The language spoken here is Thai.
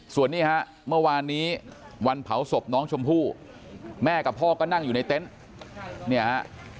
ส่วนนี้ฮะเมื่อวานนี้วันเผาศพน้องชมพู่แม่กับพ่อก็นั่งอยู่ในเต็นต์เนี่ยฮะ